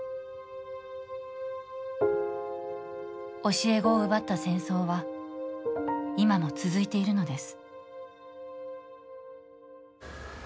教え子を奪った戦争は、今も続いているのです。